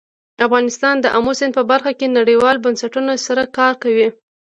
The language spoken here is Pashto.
افغانستان د آمو سیند په برخه کې نړیوالو بنسټونو سره کار کوي.